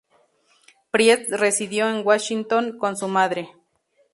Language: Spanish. Priest residió en Washington D. C. con su madre.